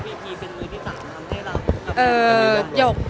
พี่พีเป็นมือที่สามารถทำให้เรา